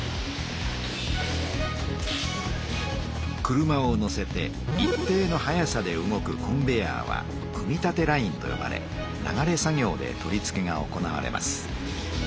車をのせて一定の速さで動くコンベヤーは組み立てラインとよばれ流れ作業で取り付けが行われます。